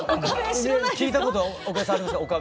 聞いたことおかゆさんありますか？